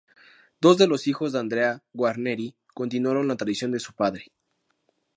Dos de los hijos de Andrea Guarneri continuaron la tradición de su padre.